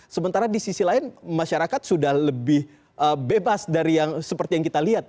sementara di sisi lain masyarakat sudah lebih bebas dari yang seperti yang kita lihat